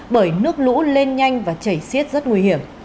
bởi nước lũ lên nhanh và chảy xiết rất nguy hiểm